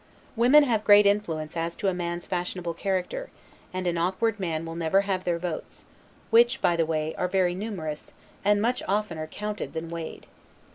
Women have great influence as to a man's fashionable character; and an awkward man will never have their votes; which, by the way, are very numerous, and much oftener counted than weighed.